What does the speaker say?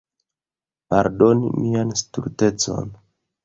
Pardoni mian stultecon.